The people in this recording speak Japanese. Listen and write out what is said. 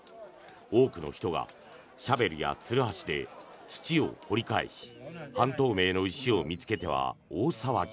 多くの人がシャベルやつるはしで土を掘り返し半透明の石を見つけては大騒ぎ。